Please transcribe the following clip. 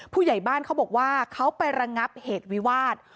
ผู้ใหญ่บ้านเขาบอกว่าเขาไประงับเหตุวิวาส